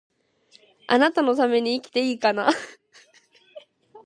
貴方のために生きていいかな